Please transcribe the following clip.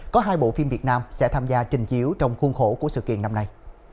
có hai bộ phim việt nam sẽ tham gia trình chiếu trong khuôn khổ của sự kiện năm nay